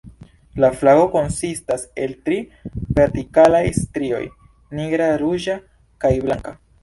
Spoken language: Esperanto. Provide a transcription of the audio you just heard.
La flago konsistas el tri vertikalaj strioj: nigra, ruĝa kaj blanka.